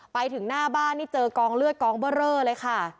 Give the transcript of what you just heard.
ไปถึงหน้าบ้านนี่เจอกองเลือดกองเบอร์เรอเลยค่ะ